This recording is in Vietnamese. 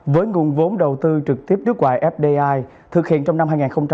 với nguồn vốn đầu tư trực tiếp nước ngoài fdi thực hiện trong năm hai nghìn hai mươi